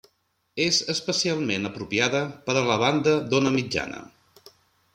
És especialment apropiada per a la banda d'ona mitjana.